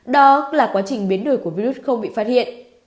đó là quá trình biến đổi của virus không bị phát hiện